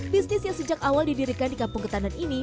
bisnis yang sejak awal didirikan di kampung ketandan ini